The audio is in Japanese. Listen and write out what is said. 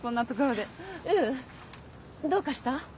ううんどうかした？